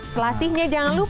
selasihnya jangan lupa